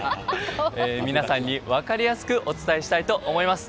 皆さんに分かりやすくお伝えしたいと思います。